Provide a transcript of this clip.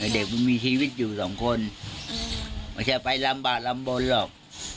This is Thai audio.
เด็กมันมีชีวิตอยู่สองคนไม่ใช่ไปลำบากลำบลหรอก